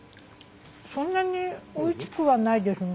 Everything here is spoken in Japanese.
そんなにおいしくはないですね。